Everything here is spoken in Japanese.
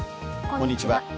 こんにちは。